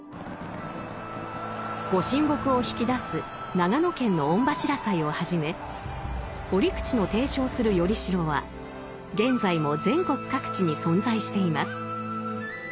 御神木を曳き出す長野県の御柱祭をはじめ折口の提唱する依代は現在も全国各地に存在しています。